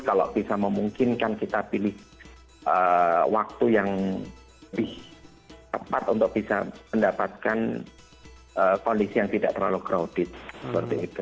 kalau bisa memungkinkan kita pilih waktu yang lebih tepat untuk bisa mendapatkan kondisi yang tidak terlalu grouded seperti itu